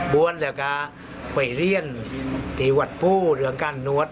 วนแล้วก็ไปเรียนที่วัดภูเรืองการนวด